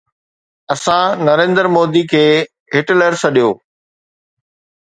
اسان نريندر مودي کي هٽلر سڏيو.